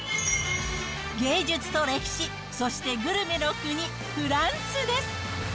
芸術と歴史、そしてグルメの国、フランスです。